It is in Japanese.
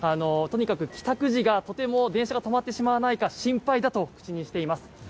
とにかく帰宅時がとても電車が止まってしまわないか心配だと口にしています。